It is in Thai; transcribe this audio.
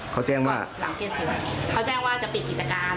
เขาแจ้งว่าหลังเกิดเหตุเขาแจ้งว่าจะปิดกิจการ